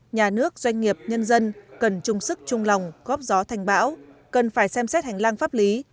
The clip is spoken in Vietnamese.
nhà nước doanh nghiệp nhân dân cần chung sức chung lòng góp gió thành bão cần phải xem xét hành lang pháp lý